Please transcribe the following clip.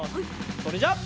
それじゃあ。